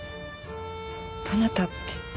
どなたって。